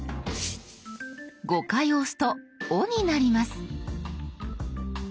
５回押すと「お」になります。